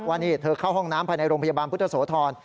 ว่านี่เธอเข้าห้องน้ำภายในโรงพยาบาลพุทธโสธร